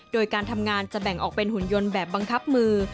โดยการทำงานจะแบ่งออกเป็นหุ่นยนต์แบบบังคับมือ